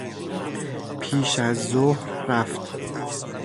پیش از ظهر رفت.